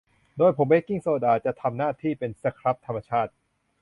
โดยผงเบกกิ้งโซดาจะทำหน้าที่เป็นสครับธรรมชาติ